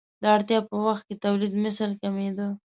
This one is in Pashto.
د اړتیا په وخت کې تولیدمثل کمېده.